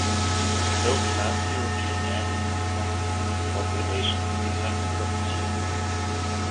Low class European men in Hong Kong easily formed relations with the Tanka prostitutes.